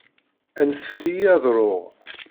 Anef-iyi ad ruɣ.